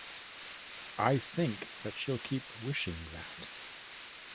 I think that she'll keep wishing that.